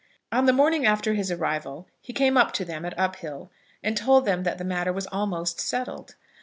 On the morning after his arrival he came up to them at Uphill, and told them that the matter was almost settled.